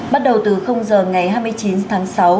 bắt đầu từ giờ ngày hai mươi chín tháng sáu